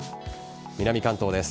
南関東です。